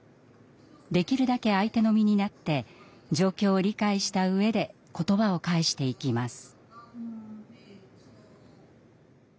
できるだけ相手の身になって状況を理解した上で言葉を返していきます。